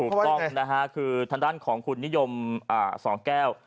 ถูกต้องนะฮะคือทางด้านของคุณนิยมสองแก้ว